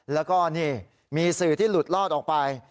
แล้วก็นี่มีสื่อที่หลุดลอดออกไป